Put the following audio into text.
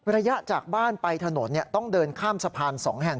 ระยะจากบ้านไปถนนต้องเดินข้ามสะพาน๒แห่ง